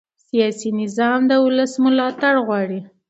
سیاسي نظام د ولس ملاتړ غواړي